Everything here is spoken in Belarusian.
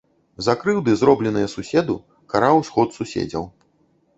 За крыўды, зробленыя суседу, караў сход суседзяў.